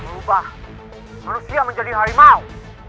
merubah manusia menjadi harimau